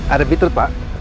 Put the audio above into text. ada bitrut pak